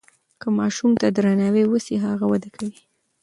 که ماشوم ته درناوی وسي هغه وده کوي.